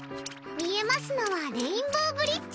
見えますのはレインボーブリッジ。